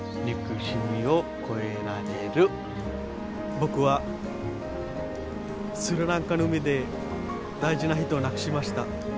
僕はスリランカの海で大事な人を亡くしました。